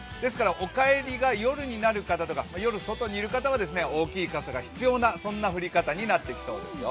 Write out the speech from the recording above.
お帰りが夜になる方とか、夜、外にいる方は大きい傘が必要な降り方になってきそうですよ。